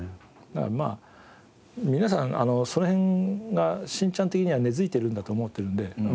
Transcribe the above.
まあ皆さんその辺が『しんちゃん』的には根付いてるんだと思ってるんで。